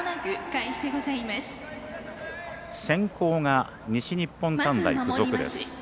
先攻が西日本短大付属です。